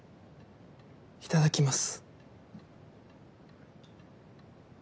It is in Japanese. いただきます。